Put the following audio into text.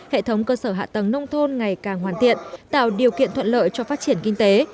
hệ thống cơ sở hạ tầng nông thôn ngày càng hoàn thiện tạo điều kiện thuận lợi cho phát triển kinh tế